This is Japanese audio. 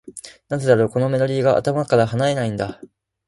なぜだろう、このメロディーが頭から離れないんだ。